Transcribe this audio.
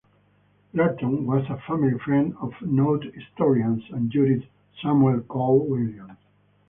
Lurton was a family friend of noted historian and jurist Samuel Cole Williams.